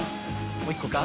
「もう１個か？」